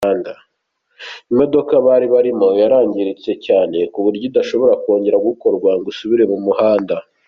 Imodoka bari barimo yangiritse cyane ku buryo idashobora kongera gukorwa ngo isubire mu muhanda.